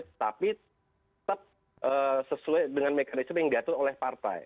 tetapi tetap sesuai dengan mekanisme yang diatur oleh partai